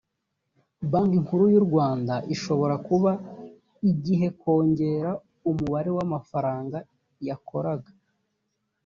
banki nkuru yu rwanda ishobora kuba igihe kongera umubare wa mafaranga yakoraga